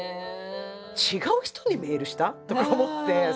違う人にメールした？とか思って。